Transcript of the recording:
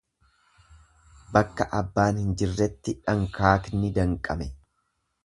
Bakka abbaan hin jirretti dhankaakni danqame.